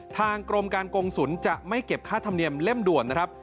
ทางกรมการกงศุลจะไม่เก็บค่าธรรมเนียมเล่มด่วนนะครับ